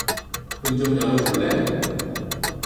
문 좀 열어줄래?